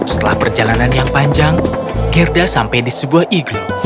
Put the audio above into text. setelah perjalanan yang panjang gerda sampai di sebuah igro